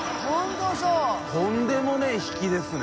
とんでもない引きですね。